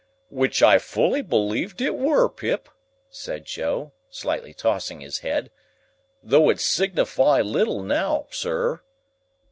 "Which I fully believed it were, Pip," said Joe, slightly tossing his head, "though it signify little now, sir.